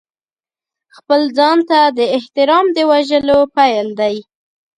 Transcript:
خپل ځان ته د احترام د وژلو پیل دی.